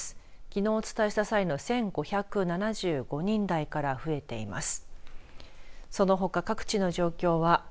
きのうお伝えした際の１５７５人台から増えています。